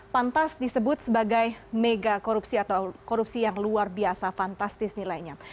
pantas disebut sebagai mega korupsi atau korupsi yang luar biasa fantastis nilainya